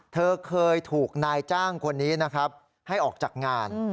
เธอเคยถูกนายจ้างคนนี้นะครับให้ออกจากงาน